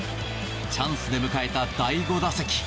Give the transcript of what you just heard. チャンスで迎えた第５打席。